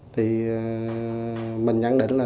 thì mình nhận định là